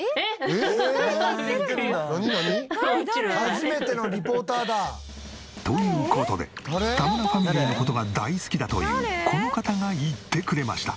「初めてのリポーターだ」という事で田村ファミリーの事が大好きだというこの方が行ってくれました。